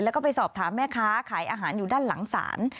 แล้วก็ไปสอบถามแม่ค้าขายอาหารอยู่ด้านหลังศาล